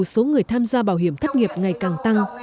mặc dù số người tham gia bảo hiểm thất nghiệp ngày càng tăng